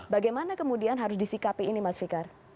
bagaimana kemudian harus disikapi ini mas fikar